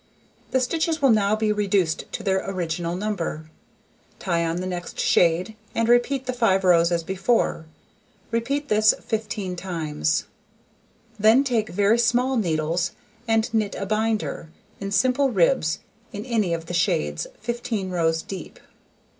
The stitches will now be reduced to their original number. Tie on the next shade, and repeat the 5 rows as before. Repeat this 15 times. Then take very small needles, and knit a binder, in simple ribs, in any of the shades, 15 rows deep.